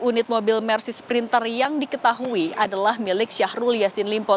unit mobil mercedes sprinter yang diketahui adalah milik syahrul yasin limpo